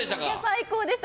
最高でした。